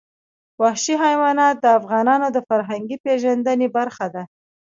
وحشي حیوانات د افغانانو د فرهنګي پیژندنې برخه ده.